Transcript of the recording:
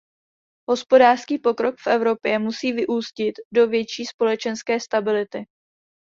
Hospodářský pokrok v Evropě musí vyústit do větší společenské stability.